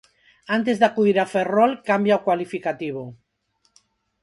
Antes de acudir a Ferrol cambia o cualificativo.